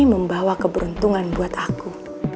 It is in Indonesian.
membawa keberuntungan buat aku